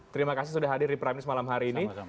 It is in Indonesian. terima kasih sudah hadir di prime news malam hari ini